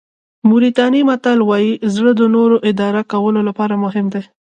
موریتاني متل وایي زړه د نورو اداره کولو لپاره مهم دی.